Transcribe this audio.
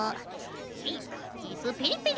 はいテープペリペリ。